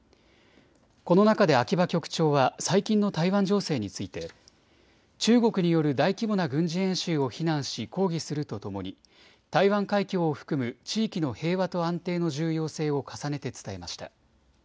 この中で秋葉局長は最近の台湾情勢について中国による大規模な軍事演習を非難し抗議するとともに台湾海峡を含む地域の平和と安定の重要性を重ねて伝えました。